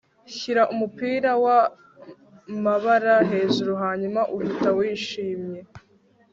shyira umupira wamabara hejuru hanyuma uhita wishimye